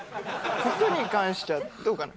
服に関しちゃどうかな？